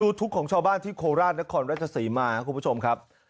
ดูทุกของชาวบ้านที่โคลราชนักฐานรัชศาสีมาครับคุณผู้ชมครับ